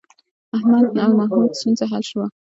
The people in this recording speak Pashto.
د احمد او محمود ستونزه حل وه